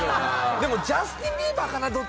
でもジャスティン・ビーバーかな？